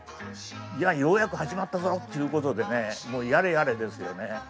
ようやく始まったぞっていうことでねもうやれやれですよね。